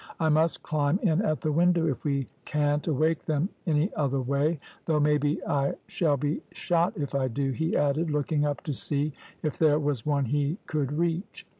`I must climb in at the window if we can't awake them any other way, though maybe I shall be shot if I do,' he added, looking up to see if there was one he could reach.